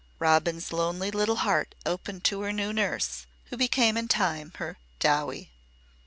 Robin's lonely little heart opened to her new nurse, who became in time her "Dowie."